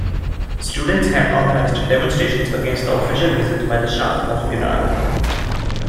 Students had organized demonstrations against the official visit by the Shah of Iran.